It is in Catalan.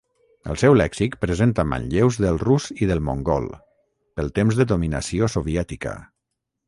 El seu lèxic presenta manlleus del rus i del mongol, pel temps de dominació soviètica.